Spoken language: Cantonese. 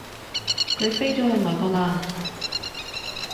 佢飛咗去外國喇